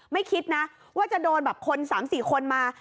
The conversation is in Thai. ไม่คิดนะว่าจะโดนแบบคน๓๔คนมา